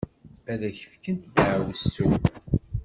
Ad ak-fkent ddeɛwessu.